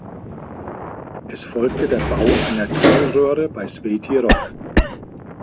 Es folgte der Bau einer Tunnelröhre bei Sveti Rok.